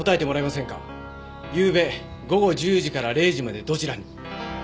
ゆうべ午後１０時から０時までどちらに？